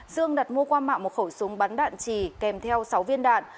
dương đặt mua qua mạng một khẩu súng bắn đạn trì kèm theo sáu viên đạn